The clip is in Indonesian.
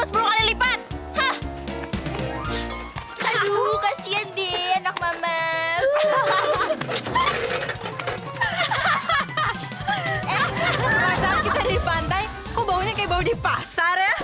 kalau kita di pantai kok baunya kayak bau di pasar ya